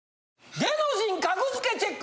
『芸能人格付けチェック！